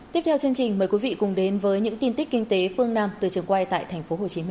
tiếp theo chương trình mời quý vị cùng đến với những tin tức kinh tế phương nam từ trường quay tại tp hcm